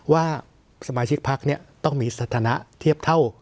ว่าสมาชิกพักต้องมีสถานะเทียบเท่า